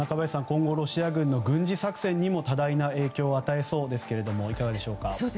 今後ロシア軍の軍事作戦にも多大な影響を与えそうですがいかがでしょうか？